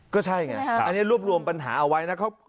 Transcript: ก็ใช่ไงอันนี้รวบรวมปัญหาเอาไว้นะ